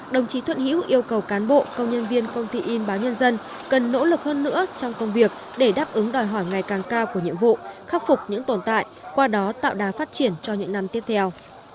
đồng chí thuận hữu yêu cầu cán bộ công nhân viên công ty in báo nhân dân cần nỗ lực hơn nữa trong công việc để đáp ứng đòi hỏi ngày càng cao của nhiệm vụ khắc phục những tồn tại qua đó tạo đá phát triển cho những năm tiếp theo